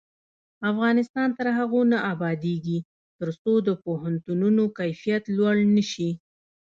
افغانستان تر هغو نه ابادیږي، ترڅو د پوهنتونونو کیفیت لوړ نشي.